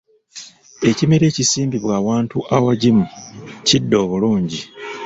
Ekimera ekisimbibwa awantu awagimu kidda obulingi.